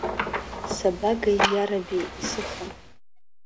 Сабагеи, иараби, исыхан.